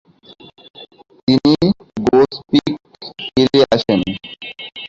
তিনি গোসপিক ফিরে আসেন।